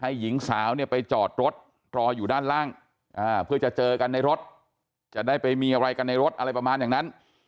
หญิงสาวเนี่ยไปจอดรถรออยู่ด้านล่างเพื่อจะเจอกันในรถจะได้ไปมีอะไรกันในรถอะไรประมาณอย่างนั้น